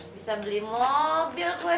waalaikumsalam pak ustadz